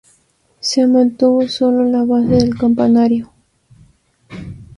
Se mantuvo sólo la base del campanario.